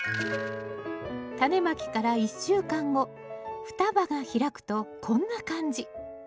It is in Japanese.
タネまきから１週間後双葉が開くとこんな感じ。